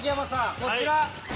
こちら！